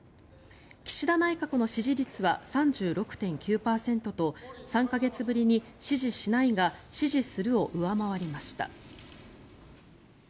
岸田内閣の支持率は３６．９％と３か月ぶりに支持しないが支持するを上回りました。